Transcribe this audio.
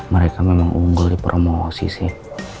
mereka memang unggul di promosi sih